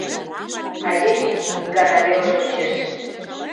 Айдеме ик гана веле шочеш.